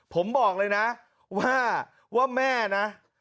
ผมบอกเลยนะว่าแม่นะ